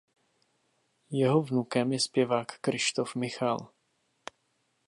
Jeho vnukem je zpěvák Kryštof Michal.